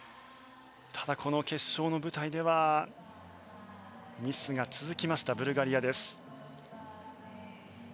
ただ、この決勝の舞台ではミスが続きましたブルガリアです。